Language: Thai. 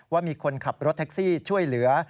ว่ามีคนขับรถแท็กซี่ช่วยเหลือ